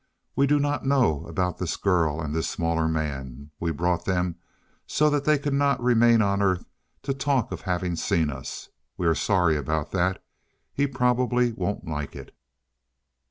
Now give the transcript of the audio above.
We do not know about this girl and this smaller man. We brought them so that they could not remain on Earth to talk of having seen us. We are sorry about that. He probably won't like it."